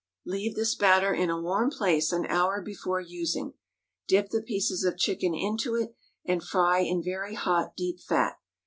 Leave this batter in a warm place an hour before using, dip the pieces of chicken into it, and fry in very hot, deep fat.